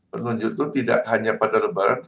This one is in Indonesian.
penunju itu tidak hanya pada lebaran